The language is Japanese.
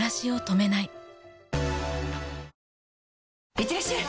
いってらっしゃい！